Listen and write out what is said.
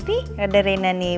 baik nih ada reina nih